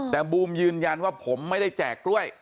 แต่บูมยืนยันว่าผมไม่ได้แจกกล้วย